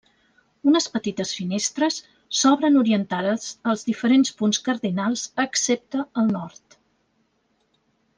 Unes petites finestres s'obren orientades als diferents punts cardinals excepte el nord.